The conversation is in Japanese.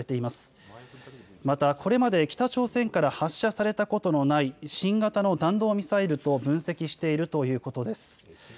またこれまで北朝鮮から発射されたことのない新型の弾道ミサイルと分析しているということです。